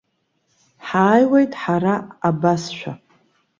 Ҳааиуеит ҳара абасшәа.